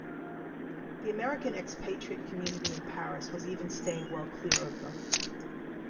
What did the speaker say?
The American expatriate community in Paris was even staying well clear of them.